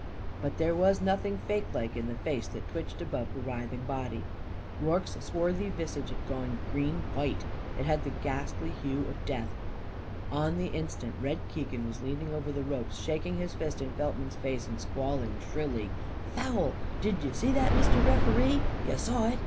But there was nothing fakelike in the face that twitched above the writhing body. Rorke's swarthy visage had gone green white. It had the ghastly hue of death. On the instant Red Keegan was leaning over the ropes, shaking his fist in Feltman's face, and squalling shrilly: "Foul! Did y'see that, Mister Referee? Y'saw it!